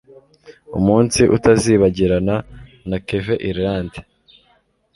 umunsi utazibagirana. na kevin irilande